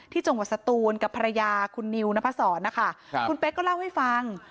จังหวัดสตูนกับภรรยาคุณนิวนพศรนะคะคุณเป๊กก็เล่าให้ฟัง